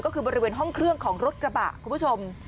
ก็คือบริเวณห้องเครื่องของรถกระบะคุณผู้ชม